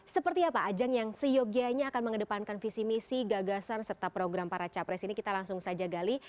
seperti apa ajang yang seyogianya akan mengedepankan visi misi gagasan serta program para capres ini kita langsung saja gali